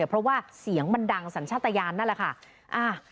เพราะว่าเสียงมันดังสัญชาติยานนั่นแหละค่ะ